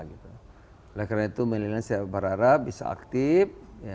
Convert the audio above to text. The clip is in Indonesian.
oleh karena itu milenial saya berharap bisa aktif